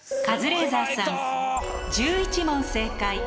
カズレーザーさん１１問正解。